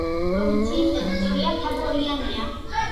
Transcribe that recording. პროვინციის ტერიტორია მთაგორიანია.